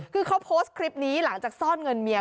คือเขาโพสต์คลิปนี้หลังจากซ่อนเงินเมีย